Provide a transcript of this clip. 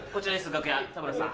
楽屋田村さん。